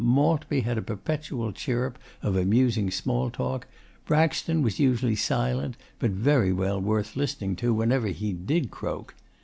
Maltby had a perpetual chirrup of amusing small talk. Braxton was usually silent, but very well worth listening to whenever he did croak.